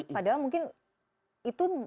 padahal mungkin itu maksudnya